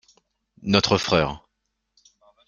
Notre frère.